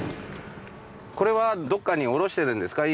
これはどこかに卸しているんですか？